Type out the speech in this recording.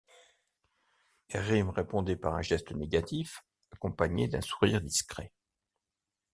Rym répondait par un geste négatif, accompagné d’un sourire discret.